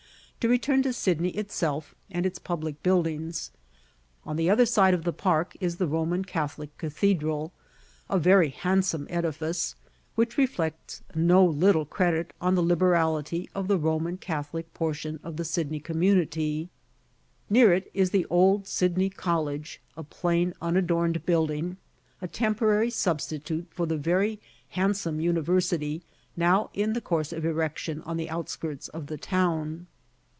To return to Sydney itself, and its public buildings. On the other side of the "Park" is the Roman Catholic cathedral, a very handsome edifice, which reflects no little credit on the liberality of the Roman Catholic portion of the Sydney community; near it is the old Sydney College, a plain unadorned building, a temporary substitute for the very handsome University now in the course of erection on the outskirts of the town.